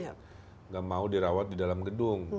tidak mau dirawat di dalam gedung